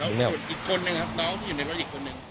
ส่วนอีกคนนึงครับน้องที่อยู่ในรถอีกคนนึง